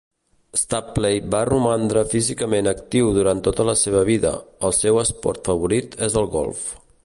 Stapley va romandre físicament actiu durant tota la seva vida, el seu esport favorit és el golf.